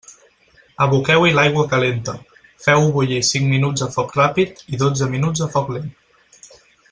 Aboqueu-hi l'aigua calenta, feu-ho bullir cinc minuts a foc ràpid i dotze minuts a foc lent.